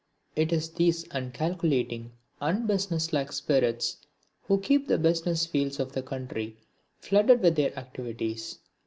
It is these uncalculating, unbusinesslike spirits who keep the business fields of the country flooded with their activities.